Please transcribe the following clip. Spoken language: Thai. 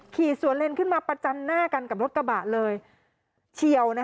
ขี่สวนเลนขึ้นมาประจันหน้ากันกับรถกระบะเลยเฉียว